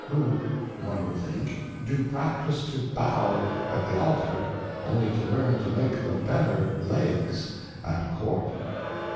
who, one would think, do practice to bow at the Altar, only to learn to make, tbe better Legs at Court.